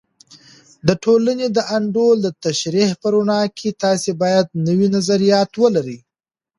د ټولنې د انډول د تشریح په رڼا کې، تاسې باید نوي نظریات ولرئ.